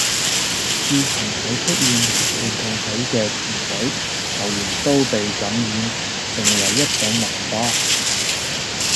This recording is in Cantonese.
自從佢出現，連同佢嘅團隊、球員都被感染，成為一種文化